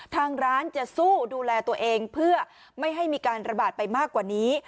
ทางร้านจะสู้ดูแลตัวเองเพื่อไม่ให้มีการระบาดไปมากกว่านี้